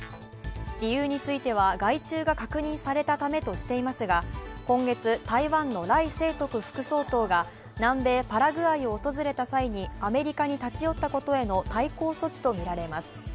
理由については害虫が確認されたためとしていますが今月、台湾の頼清徳副総統が南米パラグアイを訪れた際にアメリカに立ち寄ったことへの対抗措置とみられます。